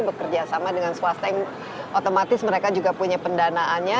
bekerjasama dengan swasta yang otomatis mereka juga punya pendanaannya